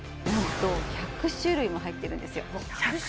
なんと１００種類も入ってるんですよ